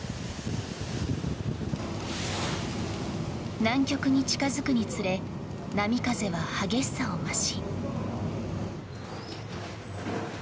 南極に近付くにつれ波風は激しさを増し。